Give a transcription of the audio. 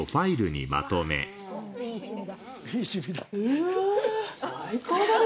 うわ最高だね